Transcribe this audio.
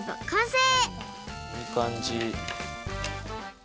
いいかんじ。